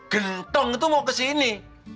ganteng tuh mau ke sini